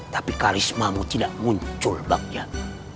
tapi karismamu tidak muncul bakyat